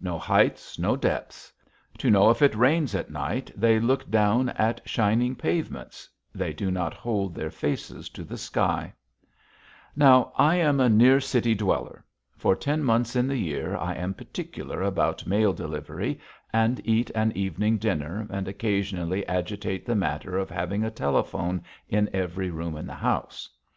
No heights, no depths. To know if it rains at night, they look down at shining pavements; they do not hold their faces to the sky. [Illustration: Trail over Gunsight Pass, Glacier National Park] Now, I am a near city dweller. For ten months in the year, I am particular about mail delivery, and eat an evening dinner, and occasionally agitate the matter of having a telephone in every room in the house.